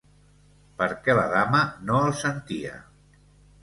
Perquè la dama no el sentia.